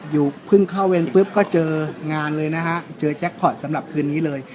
เพิ่งเข้าเวรปุ๊บก็เจองานเลยนะฮะเจอแจ็คพอร์ตสำหรับคืนนี้เลย